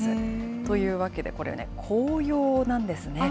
というわけで、これね、紅葉なんですね。